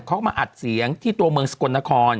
เขาก็มาอัดเสียงที่ตัวเมืองสกลนคร